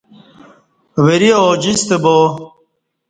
وری ا جیں ستہ با